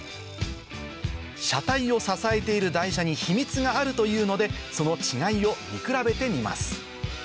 車体を支えている台車に秘密があるというのでその違いを見比べてみます